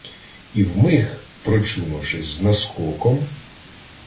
І вмиг, прочумавшись, з наскоком